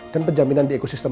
dan penjaminan di ekosistem